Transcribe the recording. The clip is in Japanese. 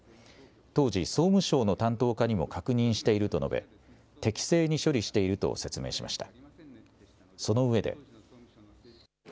当時、総務省の担当課にも確認していると述べ適正に処理していると説明しました。